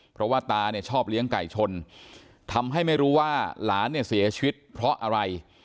เพราะว่าตาเนี่ยชอบเลี้ยงไก่ชนทำให้ไม่รู้ว่าหลานเนี่ยเสียชีวิตเพราะอะไร